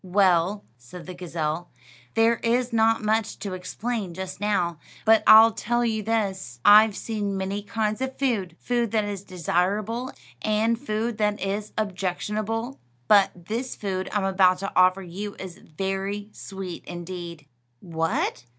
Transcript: "Well," said the gazelle, "there is not much to explain just now, but I'll tell you this: I've seen many kinds of food, food that is desirable and food that is objectionable, but this food I'm about to offer you is very sweet indeed." "What?"